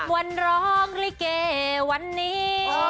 วันร้องลิเกวันนี้